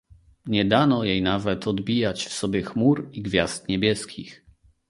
"Nie dano jej nawet odbijać w sobie chmur i gwiazd niebieskich."